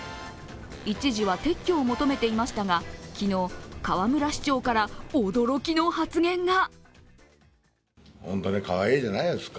一時は撤去を求めていましたが昨日、河村市長から驚きの発言が。